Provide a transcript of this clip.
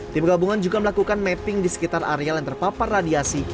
tim gabungan juga melakukan mapping di sekitar areal yang terpapar radiasi